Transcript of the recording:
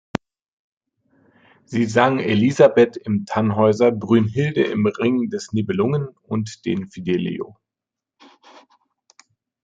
Sie sang Elisabeth im Tannhäuser, Brünnhilde im Ring des Nibelungen und den Fidelio.